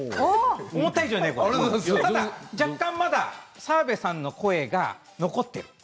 ただ若干まだ澤部さんの声が残っている。